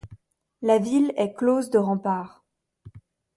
La ville est close de remparts.